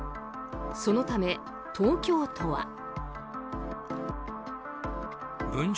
そのため、東京都は。